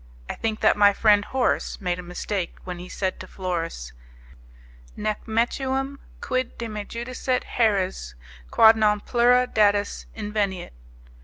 I think that my friend Horace made a mistake when he said to Florus: 'Nec metuam quid de me judicet heres, Quod non plura datis inveniet.